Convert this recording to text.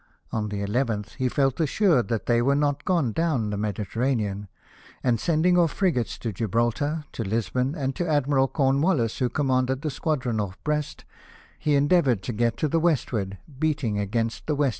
On the 11th he felt assured that they were not gone down the Mediterranean, and sending off frigates to Gibraltar,, to Lisbon, and to Admiral Cornwallis, who commanded the squadron off Brest, he endeavoured to get to the westward, beating against westerly winds.